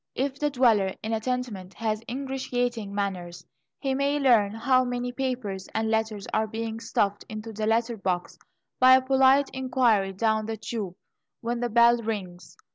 If the dweller in a tenement has ingratiating manners, he may learn how many papers, and letters are being stuffed into the letter box, by a polite inquiry down the tube when the bell rings.